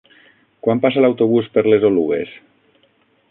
Quan passa l'autobús per les Oluges?